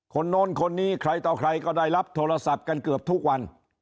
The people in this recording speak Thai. โน้นคนนี้ใครต่อใครก็ได้รับโทรศัพท์กันเกือบทุกวัน